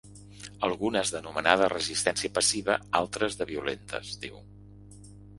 Algunes d’anomenada resistència passiva, altres de violentes, diu.